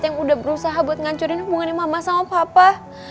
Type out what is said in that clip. yang udah berusaha buat ngancurin hubungannya mama sama papa